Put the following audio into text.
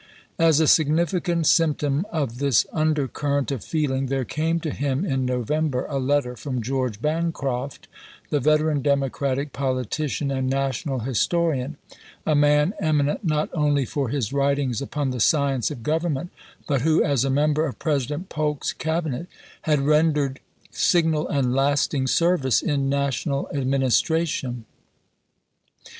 As a significant symptom of this undercurrent of feeling, 1S61. there came to him in November a letter from George Bancroft, the veteran Democratic politician and national historian ; a man eminent not only for his writings upon the science of government, but who as a member of President Polk's Cabinet had rendered signal and lasting service in national administration.